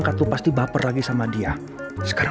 apa aku minta maaf aja sama angga ya